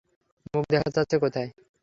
মুখ দেখা যাচ্ছে কোথায়?